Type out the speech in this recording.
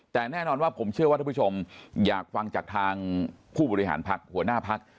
แต่แน่นอนว่าผมเชื่อว่าท่านผู้ชมอยากฟังจากทางผู้บริหารพักหัวหน้าพัก